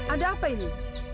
ada apa ini